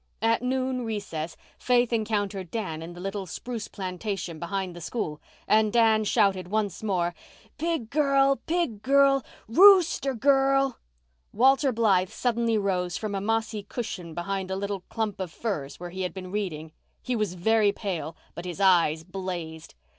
At noon recess Faith encountered Dan in the little spruce plantation behind the school and Dan shouted once more, "Pig girl! Pig girl! Rooster girl!" Walter Blythe suddenly rose from a mossy cushion behind a little clump of firs where he had been reading. He was very pale, but his eyes blazed.